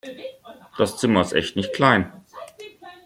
Das Zimmer ist echt nicht klein.